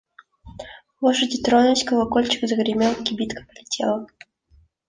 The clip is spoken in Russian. Лошади тронулись, колокольчик загремел, кибитка полетела…